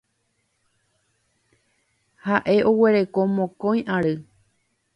Ha'e oguereko mokõi ary.